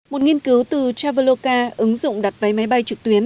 một nghiên cứu từ traveloka ứng dụng đặt váy máy bay trực tuyến